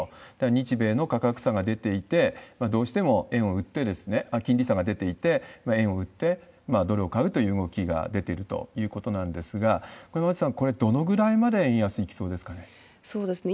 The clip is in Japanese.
日米の価格差が出ていて、どうしても円を売って、金利差が出ていて、円を売ってドルを買うという動きが出ているということなんですが、これは、馬渕さん、どのくらいまで円安いきそうですかね。